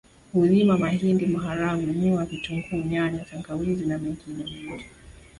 Hulima mahindi maharagwe miwa vitunguu nyanya tangawizi na mengine mengi